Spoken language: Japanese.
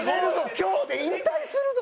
今日で引退するど！